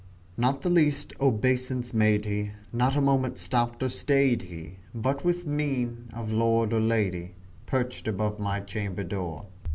Not the least obeisance made he not a moment stopped or stayed he, But with mien of lord or lady, perched above my chamber door.